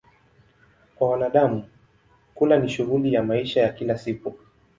Kwa wanadamu, kula ni shughuli ya maisha ya kila siku.